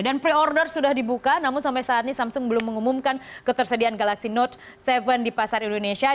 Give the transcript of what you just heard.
dan pre order sudah dibuka namun sampai saat ini samsung belum mengumumkan ketersediaan galaxy note tujuh di pasar indonesia